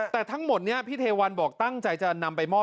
แต่ทั้งหมดนี้พี่เทวันบอกตั้งใจจะนำไปมอบ